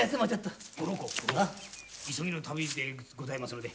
急ぎの旅でございますので。